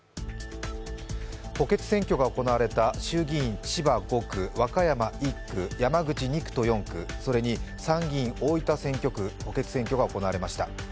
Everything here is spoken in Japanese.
補欠選挙が行われた衆議院・千葉５区、和歌山１区、山口２区と４区、それに参議院・大分選挙区、補欠選挙が行われました。